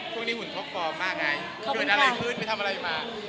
พวกนี้หุ่นทบความมากไงคุณอะไรขึ้นไปทำอะไรมา